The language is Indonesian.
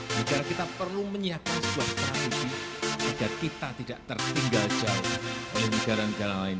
negara kita perlu menyiapkan sebuah strategi agar kita tidak tertinggal jauh oleh negara negara lain